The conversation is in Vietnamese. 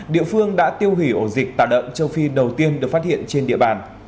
địa phương đã tiêu hủy ổ dịch tạ đợn châu phi đầu tiên được phát hiện trên địa bàn